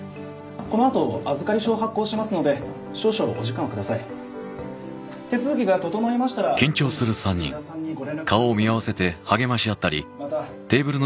このあと預かり書を発行しますので少々お時間をください手続きが整いましたら後日岸田さんにご連絡することになります